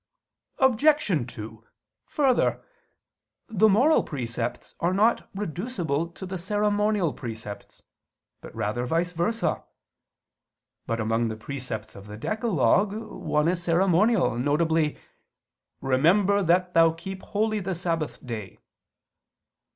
Obj. 2: Further, the moral precepts are not reducible to the ceremonial precepts, but rather vice versa. But among the precepts of the decalogue, one is ceremonial, viz. "Remember that thou keep holy the Sabbath day."